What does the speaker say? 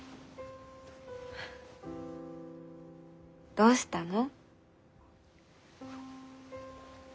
どうしたの？